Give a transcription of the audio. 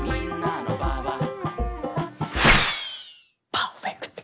パーフェクト！